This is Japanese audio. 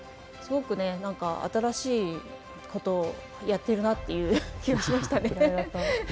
すごく、新しいことをやってるなという気がしましたね。